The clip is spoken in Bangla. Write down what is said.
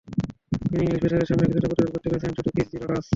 তিন ইংলিশ পেসারের সামনে কিছুটা প্রতিরোধ গড়তে পেরেছিলেন শুধু ক্রিস রজার্স।